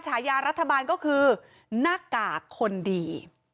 ฉายารัฐบาลก็คือหน้ากากคนดี